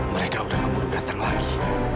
mereka udah membunuh dasar lagi